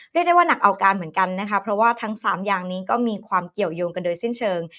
เรียกได้ว่าหนักเอาการเหมือนกันนะคะเพราะว่าทั้งสามอย่างนี้ก็มีความเกี่ยวยงกันโดยสิ้นเชิง